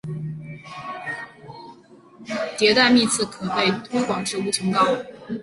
迭代幂次可被推广至无穷高。